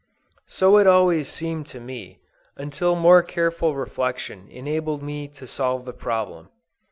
So it always seemed to me, until more careful reflection enabled me to solve the problem.